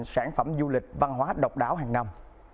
sản phẩm du lịch văn hóa độc đáo hàng năm